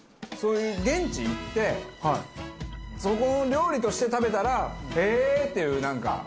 そういう現地行ってそこの料理として食べたらへえー！っていうなんか。